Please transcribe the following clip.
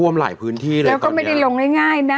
ไม่ได้ลงง่ายนะ